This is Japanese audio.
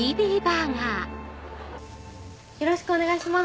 よろしくお願いします。